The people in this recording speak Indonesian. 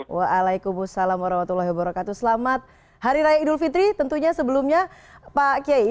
wa'alaikumussalam wr wb selamat hari raya idul fitri tentunya sebelumnya pak kiai